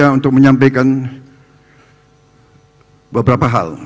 dan saya ingin menyampaikan beberapa hal